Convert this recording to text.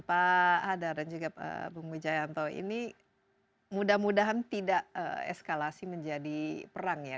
pak hadar dan juga bung wijayanto ini mudah mudahan tidak eskalasi menjadi perang ya